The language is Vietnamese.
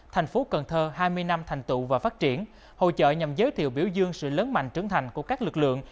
thành tựu và phát triển hậu trợ nhằm giới thiệu biểu dương sự lớn mạnh trưởng thành của các lực lượng